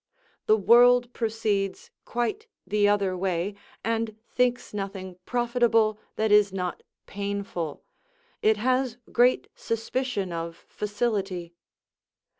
The world proceeds quite the other way, and thinks nothing profitable that is not painful; it has great suspicion of facility.